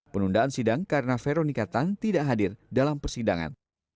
penundaan sidang karena veronika tan tidak hadir dalam persidangan